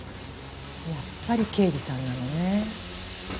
やっぱり刑事さんなのね。